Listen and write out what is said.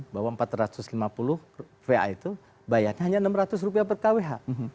bahwa rp empat ratus lima puluh va itu bayarnya hanya rp enam ratus per kwh